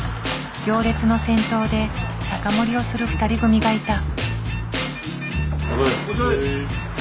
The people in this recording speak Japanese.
行列の先頭で酒盛りをする２人組がいた。